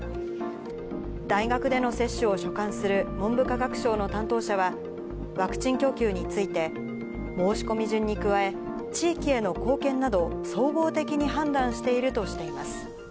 大学での接種を所管する文部科学省の担当者は、ワクチン供給について、申し込み順に加え、地域への貢献など、総合的に判断しているとしています。